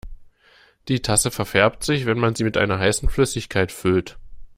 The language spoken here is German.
Die Tasse verfärbt sich, wenn man sie mit einer heißen Flüssigkeit füllt.